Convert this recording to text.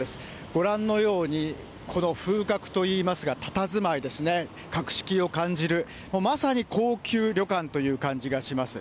ご覧のように、この風格と言いますか、たたずまいですね、格式を感じる、まさに高級旅館という感じがします。